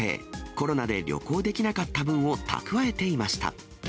コロナで旅行できなかった分を蓄えていました。